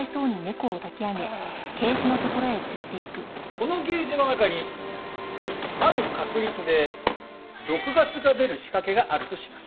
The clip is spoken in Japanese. このケージの中にある確率で毒ガスが出る仕掛けがあるとします。